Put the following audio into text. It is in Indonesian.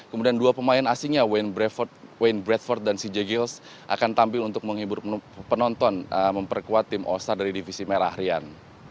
kemudian dua pemain asingnya wainne bradford dan cj gills akan tampil untuk menghibur penonton memperkuat tim all star dari divisi merah rian